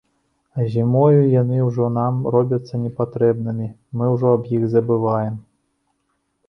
А зімою яны ўжо нам робяцца непатрэбнымі, мы ўжо аб іх забываем.